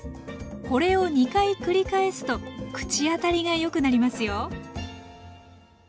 これを２回繰り返すと口当たりがよくなりますよ。